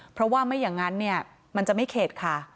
เพราะว่าไม่อย่างนั้นเนี่ยมันจะไม่เข็ดค่ะ